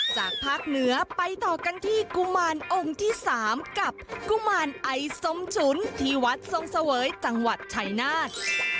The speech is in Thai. จากภาคเหนือไปต่อกันที่กุมารองค์ที่๓กับกุมารไอส้มฉุนที่วัดทรงเสวยจังหวัดชัยนาธ